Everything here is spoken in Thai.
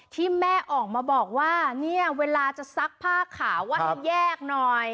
ที่แม่ออกมาบอกว่าเนี่ยเวลาจะซักผ้าขาวว่าให้แยกหน่อย